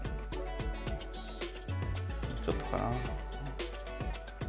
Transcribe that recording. もうちょっとかな？